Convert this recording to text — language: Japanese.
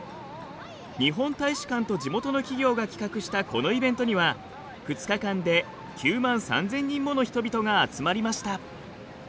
日本大使館と地元の企業が企画したこのイベントには２日間で９万３，０００人もの人々が集まりました。